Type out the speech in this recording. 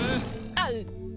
あっ。